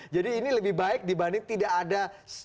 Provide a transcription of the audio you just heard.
jadi ini lebih baik dibanding tidak ada